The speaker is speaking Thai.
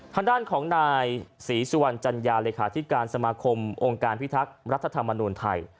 ทางด้านของนายศรีสุวรรณจัญญาเลขาธิการสมาคมองค์การพิทักษ์รัฐธรรมนูญไทย